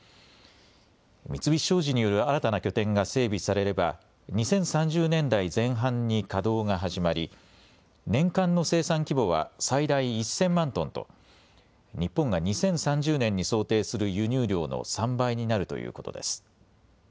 三菱商事による新たな拠点が整備されれば２０３０年代前半に稼働が始まり年間の生産規模は最大１０００万トンと日本が２０３０年に想定する輸入量の３倍になるということです。